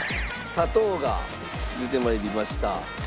砂糖が出て参りました。